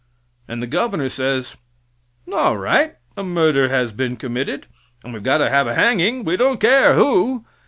And the governor says: "All right; a murder has been committed, and we have got to have a hanging we don't care who."